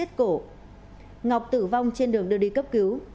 nam đã dùng dây thừng xiết cổ ngọc tử vong trên đường đưa đi cấp cứu